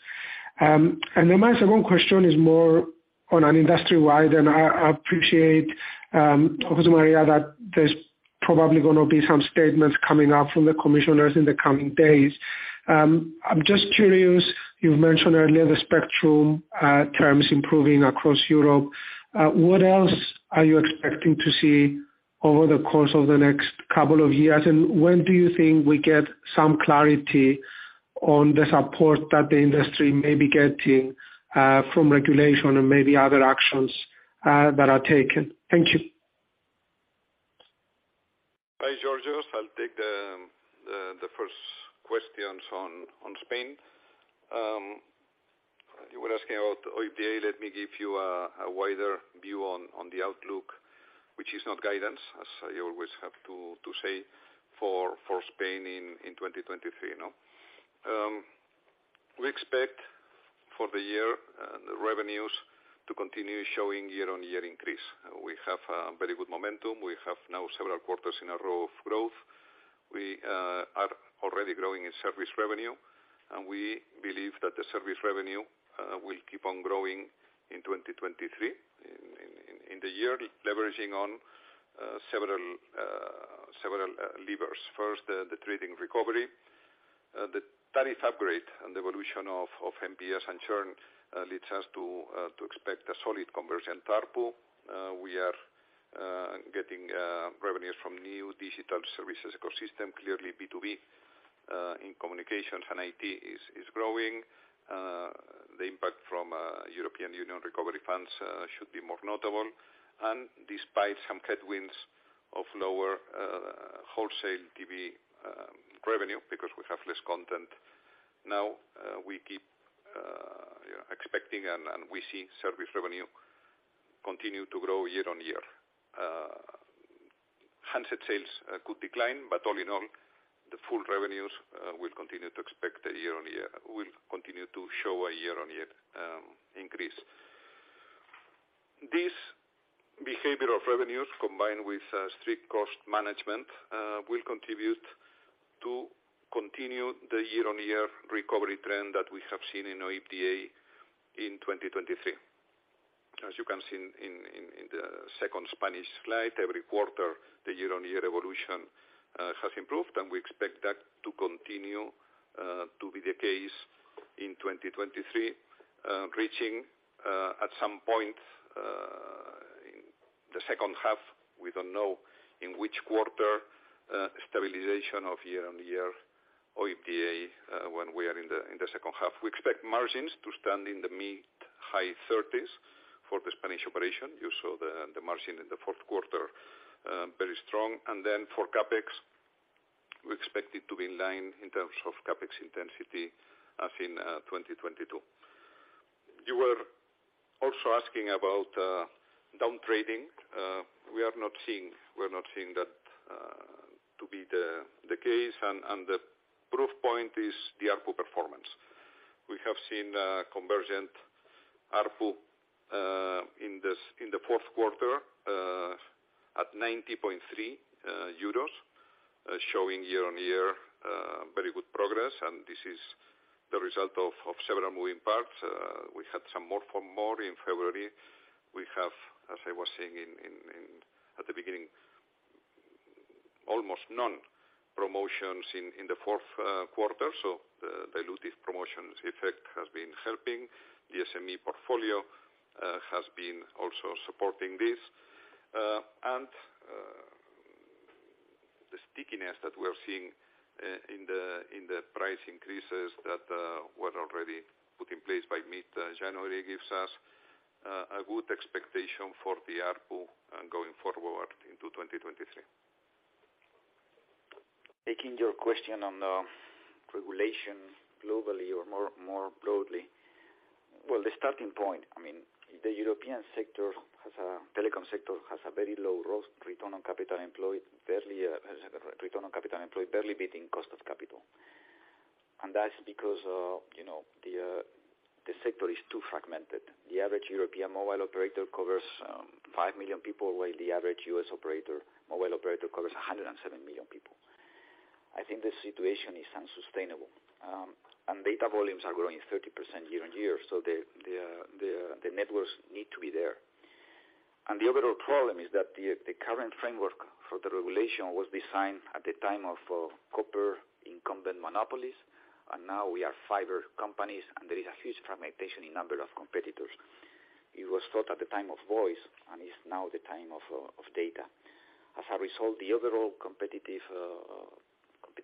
[SPEAKER 10] My second question is more on an industry wide, and I appreciate José María, that there's probably gonna be some statements coming out from the Commissioners in the coming days. I'm just curious, you've mentioned earlier the spectrum terms improving across Europe. What else are you expecting to see over the course of the next couple of years? When do you think we get some clarity on the support that the industry may be getting from regulation and maybe other actions that are taken? Thank you.
[SPEAKER 4] Hi, Georgios. I'll take the first questions on Spain. You were asking about OIBDA. Let me give you a wider view on the outlook, which is not guidance, as I always have to say for Spain in 2023, you know? We expect for the year the revenues to continue showing year-on-year increase. We have very good momentum. We have now several quarters in a row of growth. We are already growing in service revenue, and we believe that the service revenue will keep on growing in 2023, in the year leveraging on several levers. First, the trading recovery. The tariff upgrade and evolution of MPS and churn leads us to expect a solid conversion ARPU. We are getting revenues from new digital services ecosystem, clearly B2B in communications and IT is growing. The impact from European Union recovery funds should be more notable. Despite some headwinds of lower wholesale TV revenue because we have less content now, we keep, you know, expecting and we see service revenue continue to grow year-on-year. Handset sales could decline, but all in all, the full revenues will continue to show a year-on-year increase. This behavior of revenues combined with strict cost management will contribute to continue the year-on-year recovery trend that we have seen in OIBDA in 2023. As you can see in the second Spanish slide, every quarter, the year-on-year evolution has improved, and we expect that to continue to be the case in 2023, reaching at some point in the second half. We don't know in which quarter, stabilization of year-on-year OIBDA when we are in the second half. We expect margins to stand in the mid-high thirties for the Spanish operation. You saw the margin in the fourth quarter very strong. Then for CapEx, we expect it to be in line in terms of CapEx intensity as in 2022. You were also asking about down trading. We are not seeing that to be the case. The proof point is the ARPU performance. We have seen convergent ARPU in this, in the fourth quarter, at 90.3 euros, showing year-on-year very good progress. This is the result of several moving parts. We had some More for More in February. We have, as I was saying at the beginning, almost none promotions in the fourth quarter. The dilutive promotions effect has been helping. The SME portfolio has been also supporting this. The stickiness that we are seeing in the price increases that were already put in place by mid-January gives us a good expectation for the ARPU going forward into 2023.
[SPEAKER 3] Taking your question on the regulation globally or more, more broadly. Well, the starting point, I mean, the European telecom sector has a very low growth return on capital employed, barely return on capital employed, barely beating cost of capital. That's because, you know, the sector is too fragmented. The average European mobile operator covers 5 million people, while the average U.S. operator covers 107 million people. I think the situation is unsustainable. Data volumes are growing 30% year-on-year, the networks need to be there. The overall problem is that the current framework for the regulation was designed at the time of copper incumbent monopolies, and now we are fiber companies, and there is a huge fragmentation in number of competitors. It was thought at the time of voice, and it's now the time of data. As a result, the overall competitive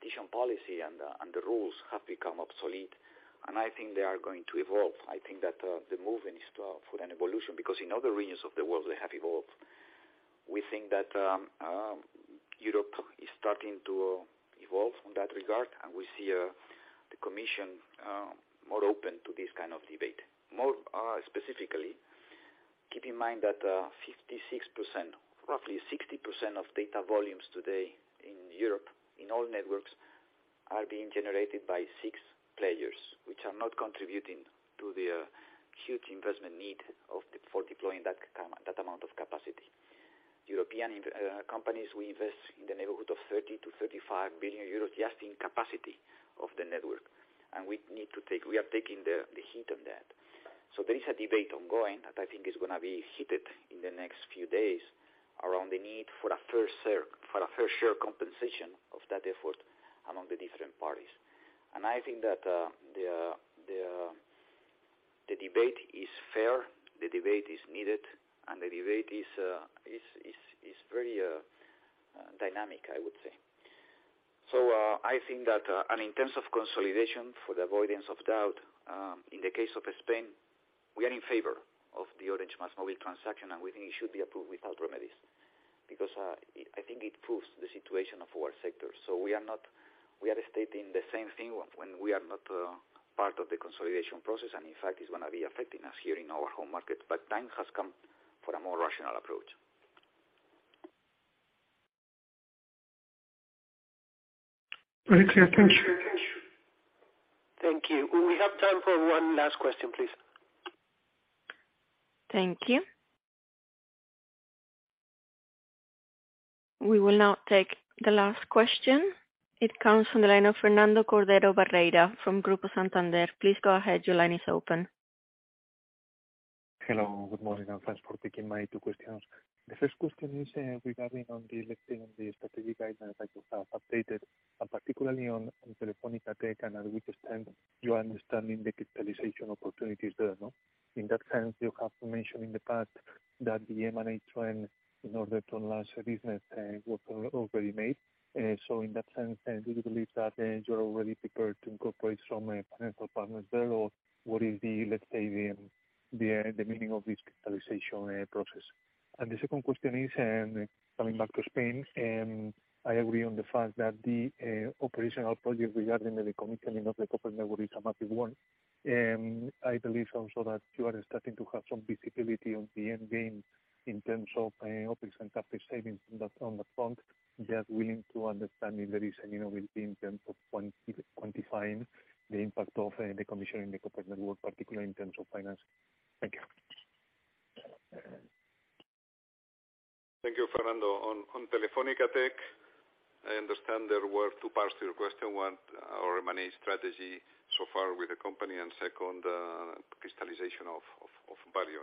[SPEAKER 3] competition policy and the rules have become obsolete, and I think they are going to evolve. I think that the movement is for an evolution because in other regions of the world, they have evolved. We think that Europe is starting to evolve in that regard. We see the Commission more open to this kind of debate. More specifically, keep in mind that 56%, roughly 60% of data volumes today in Europe in all networks are being generated by six players, which are not contributing to the huge investment need for deploying that amount of capacity. European companies, we invest in the neighborhood of 30 billion-35 billion euros just in capacity of the network. We are taking the heat of that. There is a debate ongoing that I think is gonna be heated in the next few days around the need for a fair share, for a fair share compensation of that effort among the different parties. I think that the debate is fair, the debate is needed, and the debate is very dynamic, I would say. I think that, in terms of consolidation, for the avoidance of doubt, in the case of Spain, we are in favor of the Orange MásMóvil transaction. We think it should be approved without remedies because I think it proves the situation of our sector. We are not stating the same thing when we are not part of the consolidation process. In fact, it's gonna be affecting us here in our home market. Time has come for a more rational approach.
[SPEAKER 1] Very clear. Thank you. Thank you. We have time for one last question, please. Thank you. We will now take the last question. It comes from the line of Fernando Cordero Barreira from Banco Santander. Please go ahead. Your line is open.
[SPEAKER 11] Hello. Good morning, thanks for taking my two questions. The first question is regarding on the, let's say, on the strategic guidelines that you have updated, and particularly on Telefónica Tech and to which extent you are understanding the capitalization opportunities there, no? In that sense, you have mentioned in the past that the M&A trend in order to launch a business already made. In that sense, do you believe that you're already prepared to incorporate some financial partners there, or what is the, let's say, the meaning of this capitalization process? The second question is coming back to Spain, I agree on the fact that the operational project regarding the decommissioning of the copper network is a massive one. I believe also that you are starting to have some visibility on the end game in terms of OpEx and CapEx savings on that front. Just willing to understand if there is anything in terms of quantifying the impact of the commissioning the copper network, particularly in terms of finance? Thank you.
[SPEAKER 3] Thank you, Fernando. On Telefónica Tech, I understand there were two parts to your question. One, our M&A strategy so far with the company, and two, crystallization of value,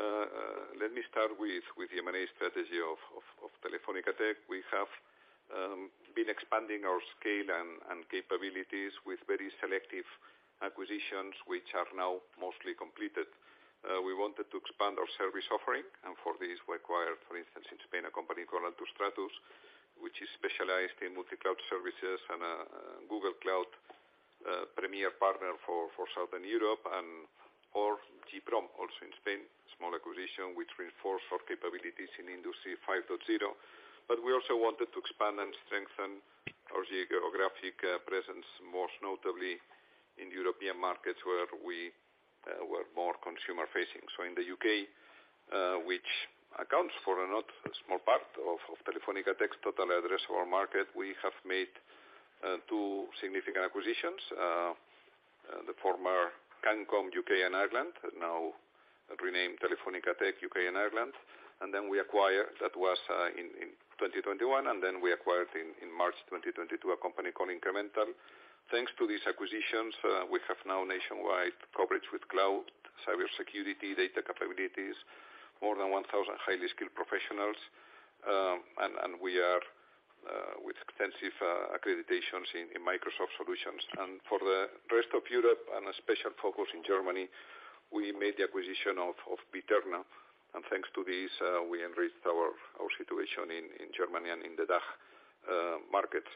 [SPEAKER 3] no? Let me start with the M&A strategy of Telefónica Tech. We have been expanding our scale and capabilities with very selective acquisitions, which are now mostly completed. We wanted to expand our service offering, for this we acquired, for instance, in Spain, a company called Altostratus, which is specialized in multi-cloud services and a Google Cloud Premier partner for Southern Europe and/or Geprom, also in Spain. Small acquisition which reinforce our capabilities in Industry 5.0. We also wanted to expand and strengthen our geographic presence, most notably in European markets where we were more consumer-facing. In the U.K., which accounts for a not small part of Telefónica Tech's total addressable market, we have made two significant acquisitions. The former Cancom UK&I, now renamed Telefónica Tech UK & Ireland. We acquired, that was in 2021, and then we acquired in March 2022 a company called Incremental. Thanks to these acquisitions, we have now nationwide coverage with cloud, cybersecurity, data capabilities, more than 1,000 highly skilled professionals, and we are with extensive accreditations in Microsoft solutions. For the rest of Europe, and a special focus in Germany, we made the acquisition of BE-terna. Thanks to this, we enriched our situation in Germany and in the DACH markets.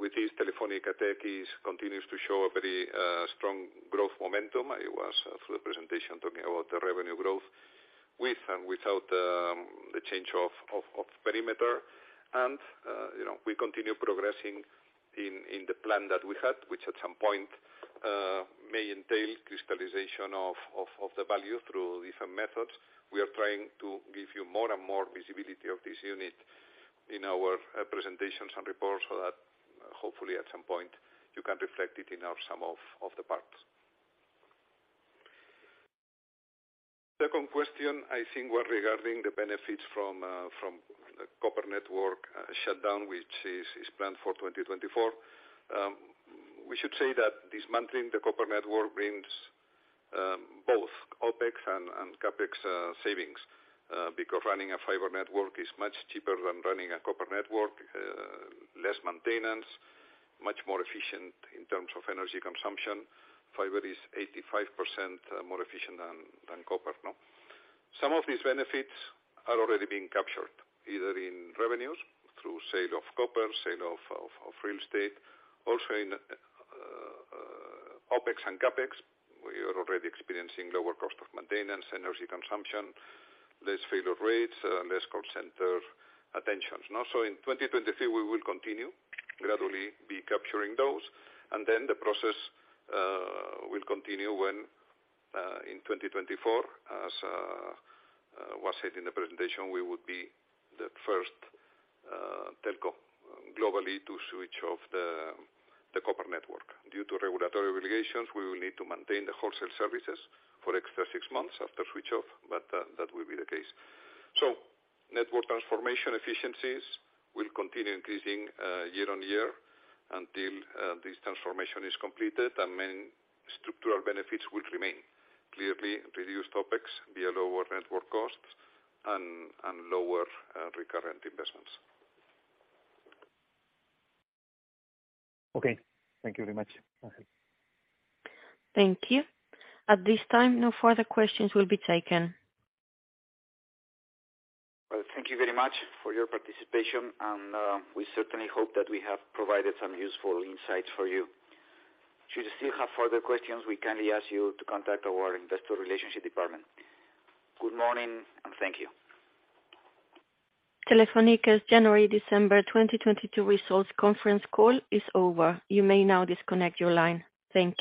[SPEAKER 3] With this Telefónica Tech continues to show a very strong growth momentum. I was through the presentation talking about the revenue growth with and without the change of perimeter. you know, we continue progressing in the plan that we had, which at some point may entail crystallization of the value through different methods. We are trying to give you more and more visibility of this unit in our presentations and reports, so that hopefully at some point you can reflect it in our sum of the parts. Second question, I think were regarding the benefits from the copper network shutdown, which is planned for 2024. We should say that dismantling the copper network brings both OpEx and CapEx savings.
[SPEAKER 10] Because running a fiber network is much cheaper than running a copper network, less maintenance, much more efficient in terms of energy consumption. Fiber is 85% more efficient than copper, no? Some of these benefits are already being captured, either in revenues through sale of copper, sale of real estate. In OpEx and CapEx, we are already experiencing lower cost of maintenance, energy consumption, less failure rates, less call center attentions, no? In 2023, we will continue gradually be capturing those. The process will continue when in 2024, as was said in the presentation, we would be the first telco globally to switch off the copper network.
[SPEAKER 3] Due to regulatory obligations, we will need to maintain the wholesale services for extra six months after switch off. That will be the case. Network transformation efficiencies will continue increasing year-on-year until this transformation is completed and many structural benefits will remain. Clearly reduced OpEx via lower network costs and lower recurrent investments.
[SPEAKER 1] Okay. Thank you very much.
[SPEAKER 4] Okay.
[SPEAKER 1] Thank you. At this time, no further questions will be taken.
[SPEAKER 4] Well, thank you very much for your participation and we certainly hope that we have provided some useful insights for you. Should you still have further questions, we kindly ask you to contact our investor relationship department. Good morning, and thank you.
[SPEAKER 1] Telefónica's January-December 2022 results conference call is over. You may now disconnect your line. Thank you.